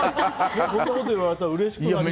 こんなこと言われたらうれしくなりますよね。